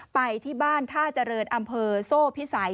ไปที่บ้านท่าเจริญอำเภอโซ่พิสัย